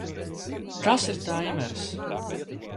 Kas ir taimeris?